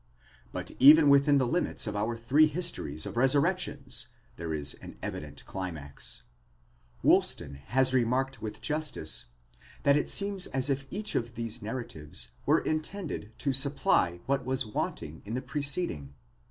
But even within the limits of our three histories of resurrections, there is an evident climax. Woolston has remarked with justice, that it seems as if each of these narratives were intended to supply what was wanting in the pre ceding.